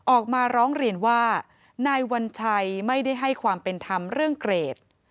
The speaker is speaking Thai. ออกมาร้องเรียนว่านายวัญชัยไม่ได้ให้ความเป็นธรรมเรื่องเกรด